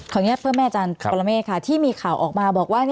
อนุญาตเพื่อแม่อาจารย์ปรเมฆค่ะที่มีข่าวออกมาบอกว่า